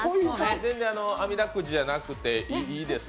全然あみだくじじゃなくていいです。